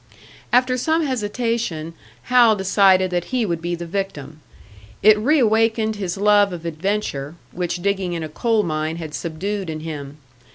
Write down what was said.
After some hesitation, Hal decided that he would be the victim. It rewakened his love of adventure, which digging in a coal mine had subdued in him.